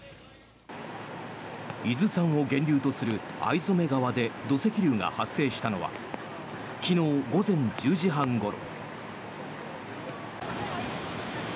伊豆山を源流とする逢初川で土石流が発生したのは昨日午前１０時半ごろ。